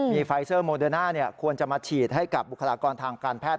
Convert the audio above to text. มีไฟเซอร์โมเดอร์น่าควรจะมาฉีดให้กับบุคลากรทางการแพทย์